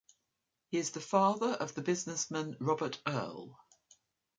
He is the father of the businessman Robert Earl.